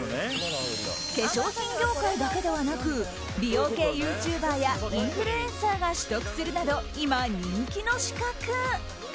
化粧品業界だけではなく美容系ユーチューバーやインフルエンサーが取得するなど今、人気の資格。